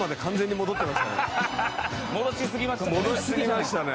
戻しすぎましたね。